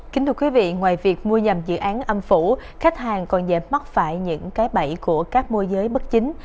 kính thưa quý vị ngoài việc mua dầm dự án âm phủ khách hàng còn dễ mắc phải những cái bẫy của các môi giới bất chính